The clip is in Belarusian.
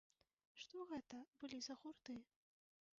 Што гэта былі за гурты?